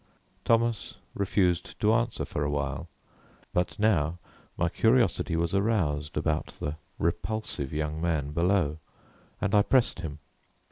Thomas refused to answer for a while, but now my curiosity was aroused about the repulsive young man below and I pressed him.